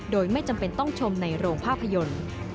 โดยไม่จำเป็นต้องชมในโรงภาพยนตร์